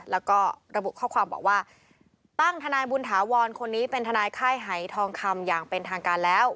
แล้วก็ระบุข้อความบอกว่าตั้งทนายบุญถาวรคนนี้เป็นทนายค่ายหายทองคำอย่างเป็นทางการแล้ว